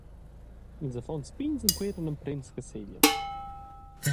Ils affons pigns enqueran emprems che seglian.